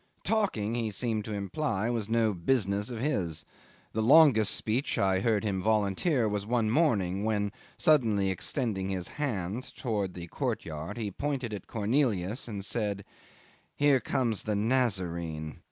Talking, he seemed to imply, was no business of his. The longest speech I heard him volunteer was one morning when, suddenly extending his hand towards the courtyard, he pointed at Cornelius and said, "Here comes the Nazarene."